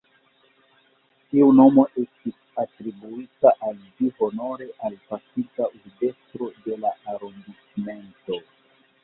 Tiu nomo estis atribuita al ĝi honore al pasinta urbestro de la arondismento.